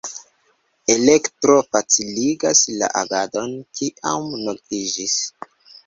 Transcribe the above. Elektro faciligas la agadon, kiam noktiĝis.